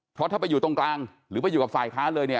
เพราะถ้าไปอยู่ตรงกลางหรือไปอยู่กับฝ่ายค้านเลยเนี่ย